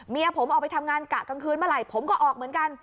เมียผมออกไปทำงานกะกลางคืนเมื่อไหร่ผมก็ออกเหมือนกัน